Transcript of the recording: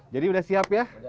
jadi sudah siap ya